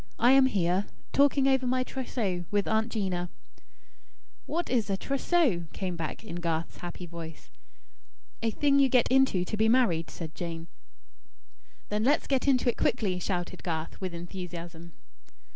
I am here, talking over my trousseau with Aunt 'Gina." "What is a trousseau?" came back in Garth's happy voice. "A thing you get into to be married," said Jane. "Then let's get into it quickly," shouted Garth, with enthusiasm.